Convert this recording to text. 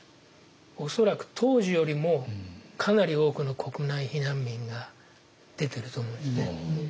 恐らく当時よりもかなり多くの国内避難民が出てると思うんですね。